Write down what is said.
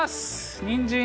にんじん。